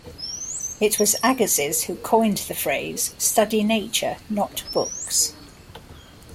It was Agassiz who coined the phrase, Study nature, not books.